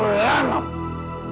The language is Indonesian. rini tidak mau pulang